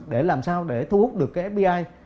để làm sao để thu hút được cái fbi